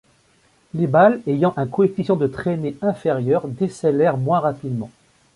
Les balles ayant un coefficient de traînée inférieur décélèrent moins rapidement.